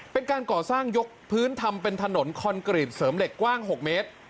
เป็นการก่อสร้างยกพื้นทำเป็นถนนคอนกรีตเสริมเหล็กกว้าง๖เมตร